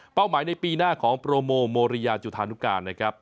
หมายในปีหน้าของโปรโมโมริยาจุธานุการนะครับ